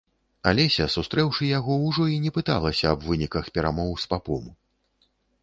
Алеся, сустрэўшы яго, ужо і не пыталася аб выніках перамоў з папом.